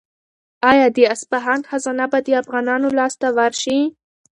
آیا د اصفهان خزانه به د افغانانو لاس ته ورشي؟